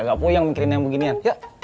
gak puyang mikirin yang beginian